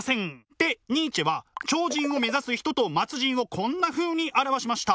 でニーチェは超人を目指す人と末人をこんなふうに表しました。